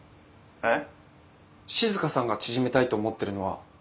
えっ！？